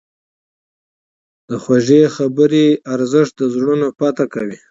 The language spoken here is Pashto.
د خوږې خبرې ارزښت د زړونو فتح کوي.